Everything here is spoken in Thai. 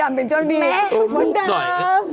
มันโดย